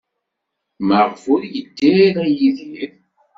Maɣef ur yeddi ara Yidir?